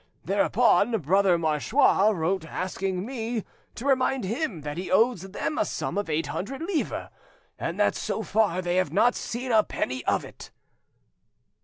Thereupon Brother Marchois wrote asking me to remind him that he owes them a sum of eight hundred livres, and that, so far, they have not seen a penny of it."